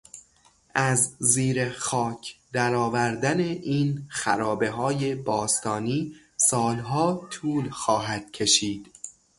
از زیر خاک درآوردن این خرابههای باستانی سالها طول خواهد کشید.